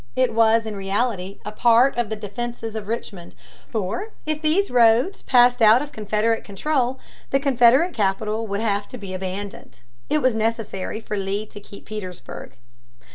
It was in reality a part of the defenses of Richmond. For if these roads passed out of Confederate control, the Confederate capital would have to be abandoned. It was necessary for Lee to keep Petersburg.